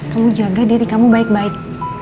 kamu jaga diri kamu baik baik